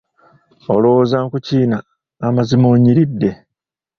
Olowooza nkukiina amazima onyiridde?